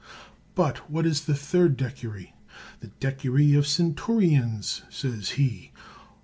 But what is that third decury? The decury of centurions, says he.